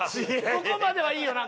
ここまではいいよな？